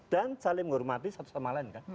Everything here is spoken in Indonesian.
dan saling menghormati satu sama lain